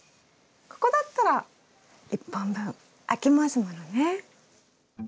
ここだったら１本分空きますものね。